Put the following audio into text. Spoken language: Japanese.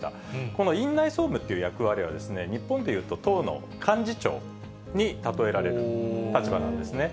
この院内総務っていう役割はですね、日本でいうと、党の幹事長に例えられる立場なんですね。